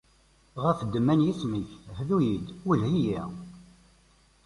Ɣef ddemma n yisem-ik, hdu-yi-d, welleh-iyi.